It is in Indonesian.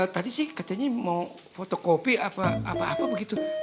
tadi sih katanya mau foto kopi apa apa begitu